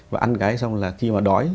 và ăn cái xong là khi mà đói